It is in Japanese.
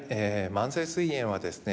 慢性すい炎はですね